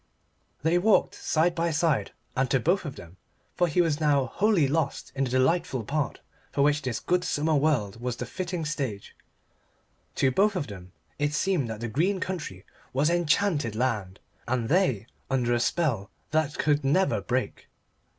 They walked side by side, and to both of them for he was now wholly lost in the delightful part for which this good summer world was the fitting stage to both of them it seemed that the green country was enchanted land, and they under a spell that could never break.